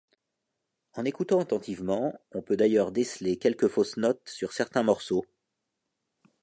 En écoutant attentivement, on peut d'ailleurs déceler quelques fausses notes sur certains morceaux.